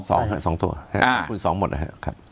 สองตัวคูณสองหมด